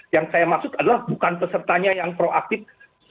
yang saya maksud adalah bukan pesertanya yang proaktif